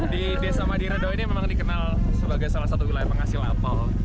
di desa madiredo ini memang dikenal sebagai salah satu wilayah penghasil apel